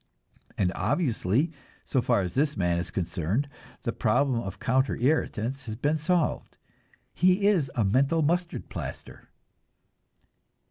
And, obviously, so far as this man is concerned, the problem of counter irritants has been solved. He is a mental mustard plaster.